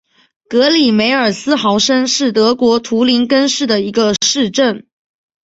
格里梅尔斯豪森是德国图林根州的一个市镇。